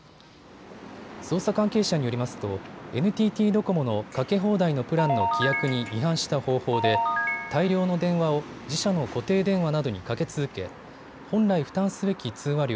捜査関係者によりますとＮＴＴドコモのかけ放題のプランの規約に違反した方法で大量の電話を自社の固定電話などにかけ続け、本来、負担すべき通話料